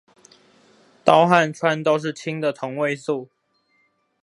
氘跟氚都是氫的同位素